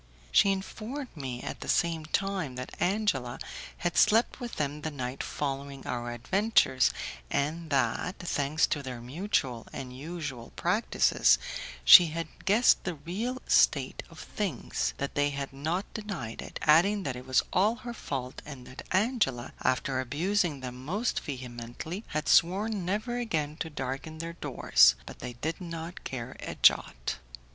She informed me at the same time that Angela had slept with them the night following our adventures, and that, thanks to their mutual and usual practices, she had guessed the real state of things, that they had not denied it, adding that it was all her fault, and that Angela, after abusing them most vehemently, had sworn never again to darken their doors; but they did not care a jot.